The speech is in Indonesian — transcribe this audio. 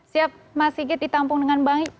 siap mas sigit ditampung dengan baik